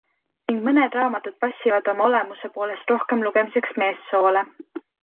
Ning mõned raamatud passivad oma olemuse poolest rohkem lugemiseks meessoole.